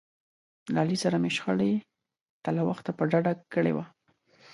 له علي سره مې شخړې ته له وخته په ډډه کړي و.